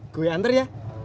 gue antar ya